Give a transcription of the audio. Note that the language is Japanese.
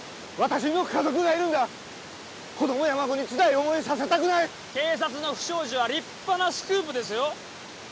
私にも家族がいるんだ子どもや孫につらい思いさせたくない警察の不祥事は立派なスクープですよ